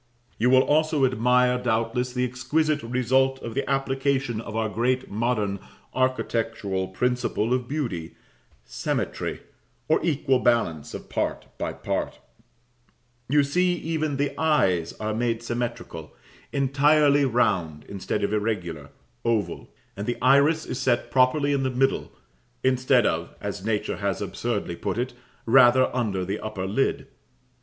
You will also admire, doubtless, the exquisite result of the application of our great modern architectural principle of beauty symmetry, or equal balance of part by part; you see even the eyes are made symmetrical entirely round, instead of irregular, oval; and the iris is set properly in the middle, instead of as nature has absurdly put it rather under the upper lid.